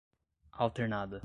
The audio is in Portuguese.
alternada